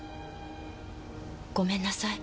ごめんなさい。